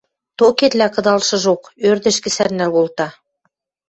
Токетлӓ кыдалшыжок ӧрдӹжкӹ сӓрнӓл колта.